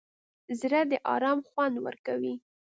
زړه د ارام خوند ورکوي.